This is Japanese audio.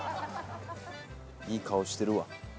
いい顔してるわ。